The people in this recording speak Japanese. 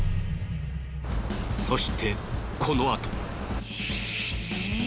そしてこのあと。